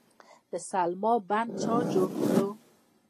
د سلما بند چا جوړ کړ؟